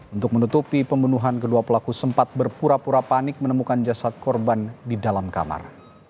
untuk menutupi pembunuhan kedua pelaku sempat berpura pura panik menemukan jasad korban di dalam kamar